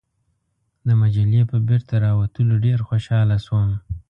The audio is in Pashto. د مجلې په بیرته راوتلو ډېر خوشاله شوم.